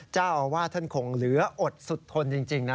เจ้าอาวาสท่านคงเหลืออดสุดทนจริงนะ